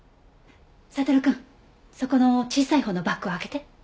悟くんそこの小さいほうのバッグを開けて。